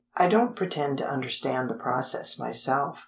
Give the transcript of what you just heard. I don't pretend to understand the process myself.